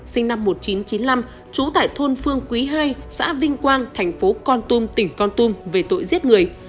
sinh năm một nghìn chín trăm chín mươi năm trú tại thôn phương quý ii xã vinh quang thành phố con tum tỉnh con tum về tội giết người